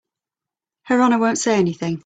Her Honor won't say anything.